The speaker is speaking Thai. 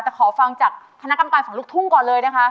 แต่ขอฟังจากคณะกรรมการฝั่งลูกทุ่งก่อนเลยนะคะ